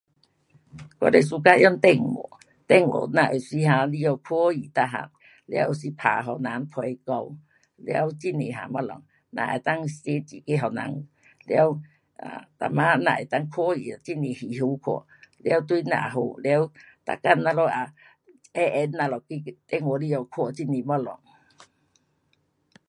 我最 suka 用电话，电话咱有时 um 里内看戏每样，了有时打给人陪聊，了很多样东西，也能够写字去给人。了 um 每晚这样能够看戏咯，很多戏好看，了对咱也好，了每天咱们也闲闲咱们电话里下看很多东西。